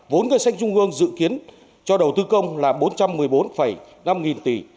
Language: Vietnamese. vốn ngân sách trung ương dự kiến cho đầu tư công là bốn trăm một mươi bốn năm nghìn tỷ